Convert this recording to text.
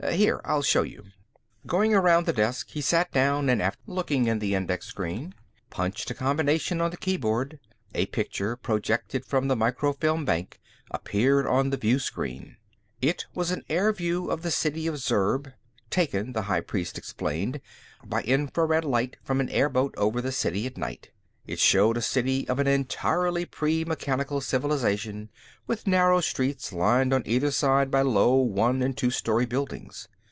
Here, I'll show you." Going around the desk, he sat down and, after looking in the index screen, punched a combination on the keyboard. A picture, projected from the microfilm bank, appeared on the view screen. It was an air view of the city of Zurb taken, the high priest explained, by infrared light from an airboat over the city at night. It showed a city of an entirely pre mechanical civilization, with narrow streets, lined on either side by low one and two story buildings.